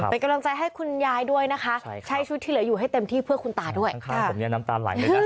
เป็นกำลังใจให้คุณยายด้วยนะคะ